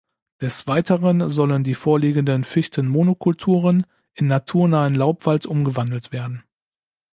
Des Weiteren sollen die vorliegenden Fichtenmonokulturen in naturnahen Laubwald umgewandelt werden.